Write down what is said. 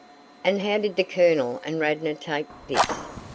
"And how did the Colonel and Radnor take this?"